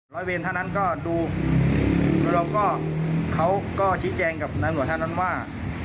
ร้อยเวรท่านนั้นก็ดูโดยเราก็เขาก็ชี้แจงกับนายตำรวจท่านนั้นว่า